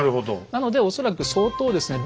なので恐らく相当ですね